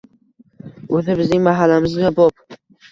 Oʻzi bizning mahallamizga bop.